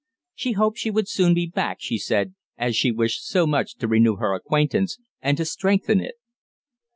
She hoped she would soon be back, she said, as she wished so much to renew her acquaintance, and to strengthen it.